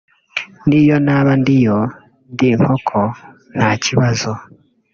n’iyo naba ndiyo ndi inkoko nta kibazo